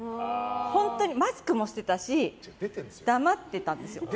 本当にマスクもしてたし黙ってたんですよ。